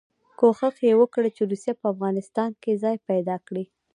کوښښ یې وکړ چې روسیه په افغانستان کې ځای پیدا کړي.